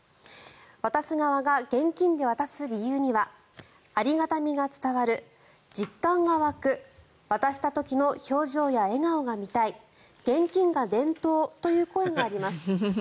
渡す側が現金で渡す理由にはありがたみが伝わる実感が湧く渡した時の表情や笑顔が見たい現金が伝統という声があります。